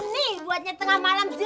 nih buatnya tengah malam sih